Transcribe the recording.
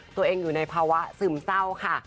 ตัวเองอยู่ในภาวะซึมเศร้าค่ะ